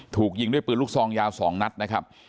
ถูกยิงด้วยปืนลูกซองยาว๒นัดนะครับ